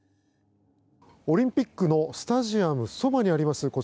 オリンピックのスタジアムそばにあります